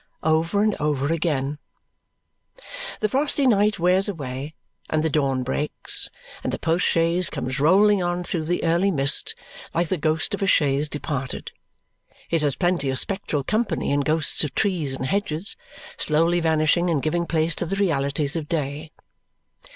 over and over again. The frosty night wears away, and the dawn breaks, and the post chaise comes rolling on through the early mist like the ghost of a chaise departed. It has plenty of spectral company in ghosts of trees and hedges, slowly vanishing and giving place to the realities of day.